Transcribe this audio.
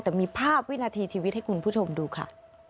แต่มีภาพวินาทีชีวิตให้คุณผู้ชมดูค่ะ